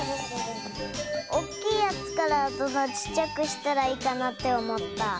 おっきいやつからどんどんちっちゃくしたらいいかなっておもった。